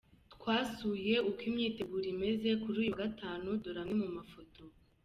Twasuye uko imyiteguro imeze, kuri uyu wa Gatanu, dore amwe mu mafoto :.